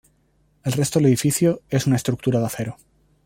El resto del edificio es una estructura de acero.